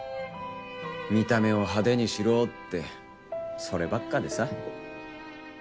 「見た目を派手にしろ」ってそればっかでさ。